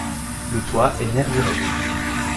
Le toit est nervuré.